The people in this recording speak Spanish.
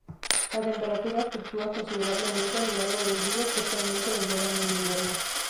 La temperatura fluctúa considerablemente a lo largo del día, especialmente del verano al invierno.